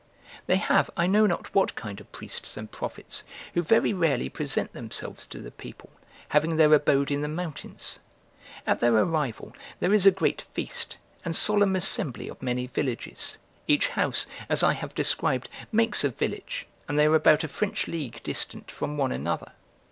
They have I know not what kind of priests and prophets, who very rarely present themselves to the people, having their abode in the mountains. At their arrival, there is a great feast, and solemn assembly of many villages: each house, as I have described, makes a village, and they are about a French league distant from one another.